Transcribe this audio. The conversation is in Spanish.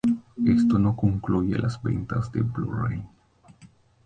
Esto no incluye las ventas de Blu-ray.